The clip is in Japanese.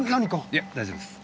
いや大丈夫です。